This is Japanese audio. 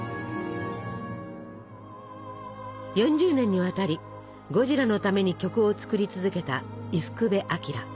４０年にわたりゴジラのために曲を作り続けた伊福部昭。